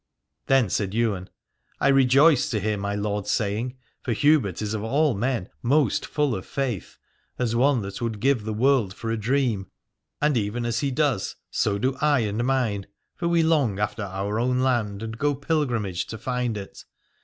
Then said Ywain : I rejoice to hear my lord's saying, for Hubert is of all men most full of faith, as one that would give the world for a dream. And even as he does, so do I and mine : for we long after our own land, and go pilgrimage to find it.